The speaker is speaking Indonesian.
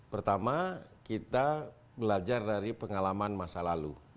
pertama kita belajar dari pengalaman masa lalu